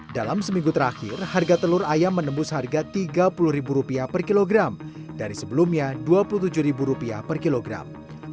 dalam seminggu terakhir harga telur ayam menembus harga rp tiga puluh per kilogram dari sebelumnya rp dua puluh tujuh per kilogram